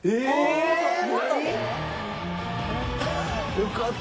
よかった！